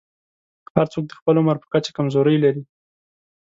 هر څوک د خپل عمر په کچه کمزورۍ لري.